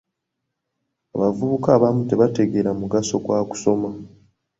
Abavubuka abamu tebategeera mugaso gwa kusoma.